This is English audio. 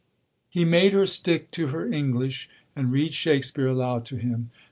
He made her stick to her English and read Shakespeare aloud to him.